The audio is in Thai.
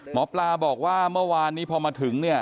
หมอปลาบอกว่าเมื่อวานนี้พอมาถึงเนี่ย